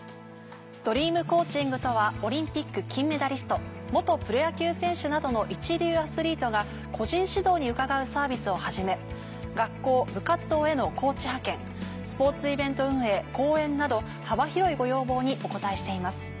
「ドリームコーチング」とはオリンピック金メダリスト元プロ野球選手などの一流アスリートが個人指導に伺うサービスをはじめ学校・部活動へのコーチ派遣スポーツイベント運営・講演など幅広いご要望にお応えしています。